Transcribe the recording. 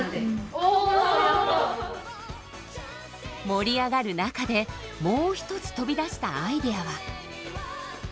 盛り上がる中でもう一つ飛び出したアイデアは。